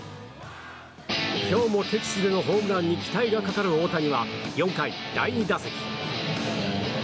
今日も敵地でのホームランに期待がかかる大谷は４回、第２打席。